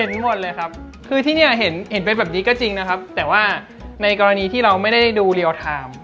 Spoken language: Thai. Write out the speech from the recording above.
เห็นหมดเลยครับคือที่เนี่ยเห็นเป็นแบบนี้ก็จริงนะครับแต่ว่าในกรณีที่เราไม่ได้ดูเรียลไทม์